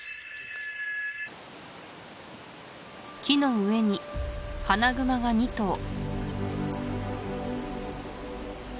木の上にハナグマが二頭